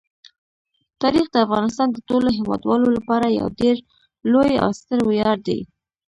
تاریخ د افغانستان د ټولو هیوادوالو لپاره یو ډېر لوی او ستر ویاړ دی.